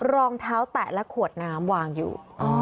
รองเท้าแตะและขวดน้ำวางอยู่